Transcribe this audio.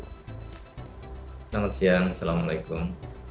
selamat siang assalamu alaikum